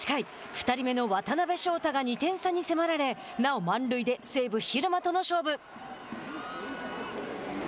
２人目の渡辺翔太が２点差に迫られなお満塁で西武蛭間との勝負。